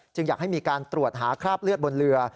อยากให้มีการตรวจหาคราบเลือดบนเรือ